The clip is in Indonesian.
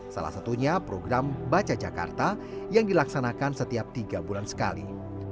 salah satunya program baca jakarta yang dilaksanakan setiap tiga bulan sekali